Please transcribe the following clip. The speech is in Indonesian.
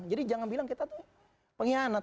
jadi jangan bilang kita tuh pengkhianat